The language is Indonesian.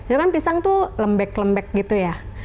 itu kan pisang tuh lembek lembek gitu ya